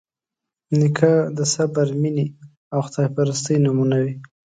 نیکه د صبر، مینې او خدایپرستۍ نمونه وي.